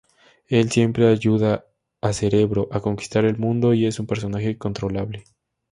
Él siempre ayuda a Cerebro a conquistar el mundo y es un personaje controlable.